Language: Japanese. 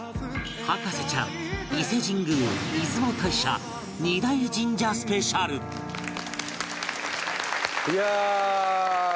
『博士ちゃん』伊瀬神宮出雲大社２大神社スペシャルいやあ。